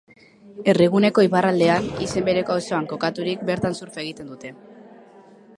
Herriguneko iparraldean, izen bereko auzoan, kokaturik, bertan surf egiten dute.